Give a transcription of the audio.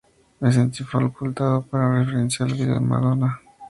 Me sentí facultado para referenciar el video de Madonna.